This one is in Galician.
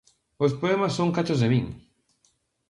Os poemas son cachos de min.